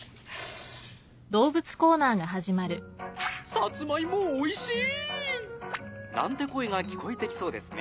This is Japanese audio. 「サツマイモおいし」なんて声が聞こえてきそうですね。